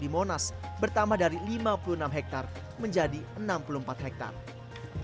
di monas bertambah dari lima puluh enam hektare menjadi enam puluh empat hektare